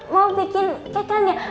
mau bikin cake aja